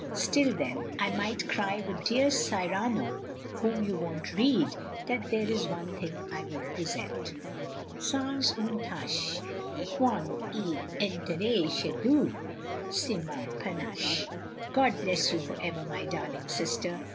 Still then I might cry with dear Cyrano whom you won't read — tha;t there is one thing I will present *sans une tache .. 1 Quand fentrerai chez Dieu .. r ... c'est mon panache!' 1 .. God bless you, for ever, my darling sister.